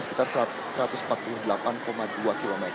sekitar satu ratus empat puluh delapan dua km